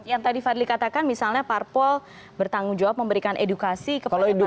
yang tadi fadli katakan misalnya parpol bertanggung jawab memberikan edukasi kepada publik